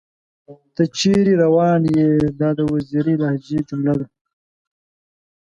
تۀ چېرې راوون ئې ؟ دا د وزيري لهجې جمله ده